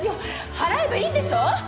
払えばいいんでしょ！？